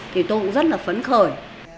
thì tôi cũng rất là phấn khởi